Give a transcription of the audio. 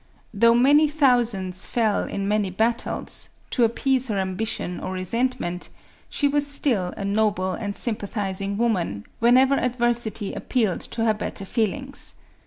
Though many thousands fell in many battles, to ap pease her ambition or resentment, she was still a noble and sympathizing woman, whenever adversity appealed to her better feelings.